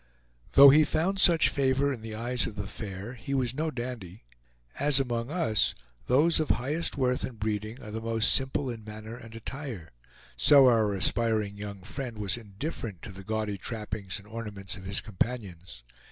Though he found such favor in the eyes of the fair, he was no dandy. As among us those of highest worth and breeding are most simple in manner and attire, so our aspiring young friend was indifferent to the gaudy trappings and ornaments of his companions.